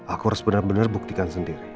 aku harus benar benar buktikan sendiri